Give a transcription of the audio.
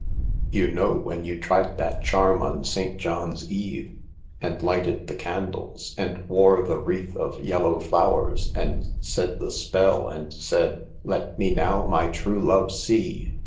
You know when you tried that charm, on St. John's Eve, and lighted the THE LAKE 287 candles, and wore the wreath of yellow flowers, and said the spell, and said, * Let me now my true love see'